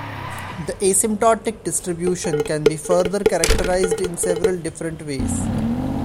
The asymptotic distribution can be further characterized in several different ways.